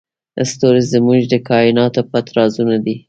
ستوري زموږ د کایناتو پټ رازونه لري.